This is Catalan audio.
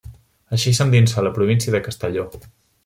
Així s'endinsa a la província de Castelló.